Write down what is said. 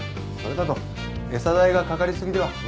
それだと餌代がかかりすぎでは？